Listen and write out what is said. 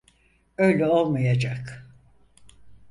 Öyle olmayacak.